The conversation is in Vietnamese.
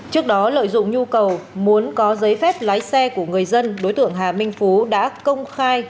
trước đó lợi dụng nhu cầu muốn có giấy phép lái xe của người dân đối tượng hà minh phú đã công khai